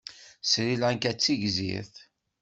Sri Lanka d tigzirt.